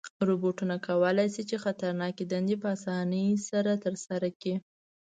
روبوټونه کولی شي چې خطرناکه دندې په آسانۍ سره ترسره کړي.